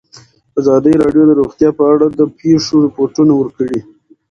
ازادي راډیو د روغتیا په اړه د پېښو رپوټونه ورکړي.